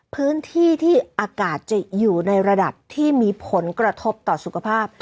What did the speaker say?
พื้นที่ที่อากาศจะอยู่ในระดับที่มีผลกระทบต่อสุขภาพ